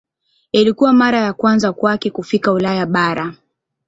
Ilikuwa mara ya kwanza kwake kufika Ulaya bara.